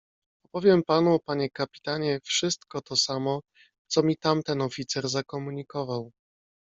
"Opowiem panu, panie kapitanie, wszystko to samo, co mi tamten oficer zakomunikował."